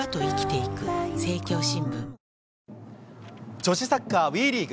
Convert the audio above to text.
女子サッカー、ＷＥリーグ。